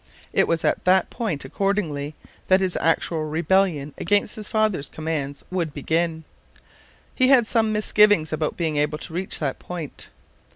It was at that point, accordingly, that his actual rebellion against his father's commands would begin. He had some misgivings about being able to reach that point.